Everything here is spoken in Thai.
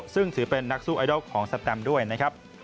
ซึ่งถือเป็นนักสู้ไอดอลของสแตมด้วยนะครับ